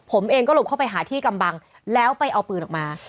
ผมเองก็หลบเข้าไปหาที่กำบังแล้วไปเอาปืนออกมา